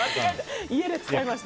家で使いました。